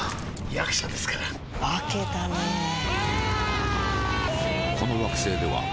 役者ですから化けたねうわーーー！